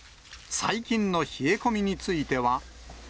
最近の冷え込みについては。